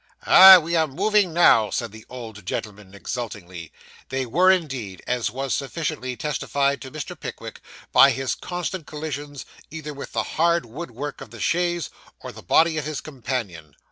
'Ah! we are moving now,' said the old gentleman exultingly. They were indeed, as was sufficiently testified to Mr. Pickwick, by his constant collision either with the hard wood work of the chaise, or the body of his companion.